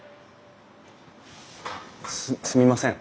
すすみません。